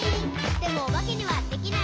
「でもおばけにはできない。」